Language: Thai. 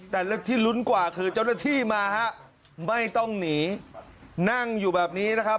แต่ที่ลุ้นกว่าคือเจ้าหน้าที่มาฮะไม่ต้องหนีนั่งอยู่แบบนี้นะครับ